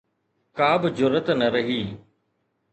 ڪا به جرئت نه رهي